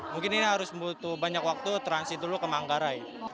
mungkin ini harus butuh banyak waktu transit dulu ke manggarai